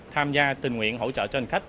tham gia tình nguyện hỗ trợ cho hành khách